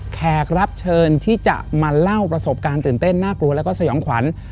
แขกรับเชิญที่จะมาเล่าประสบการณ์ตื่นเต้นน่ากลัวแล้วก็สยองขวัญ